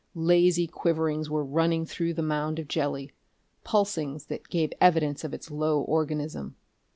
Lazy quiverings were running through the mound of jelly, pulsings that gave evidence of its low organism.